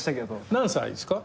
何歳ですか？